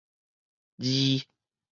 餌